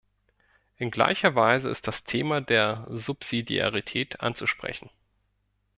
In gleicher Weise ist das Thema der Subsidiarität anzusprechen.